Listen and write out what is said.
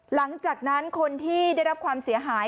หลังจากนั้นคนที่ได้รับความเสียหาย